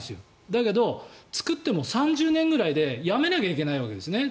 だけど、作っても３０年ぐらいでやめなきゃいけないわけですね